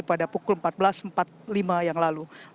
pada pukul empat belas empat puluh lima yang lalu